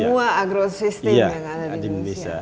semua agrosistem yang ada di indonesia